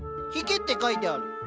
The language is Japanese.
「ひけ」って書いてある。